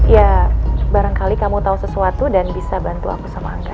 ya barangkali kamu tahu sesuatu dan bisa bantu aku sama angga